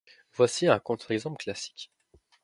Voici un contre-exemple classique.